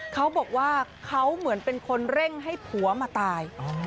เขาบอกว่าเขาเหมือนเป็นคนเร่งให้ผัวมาตาย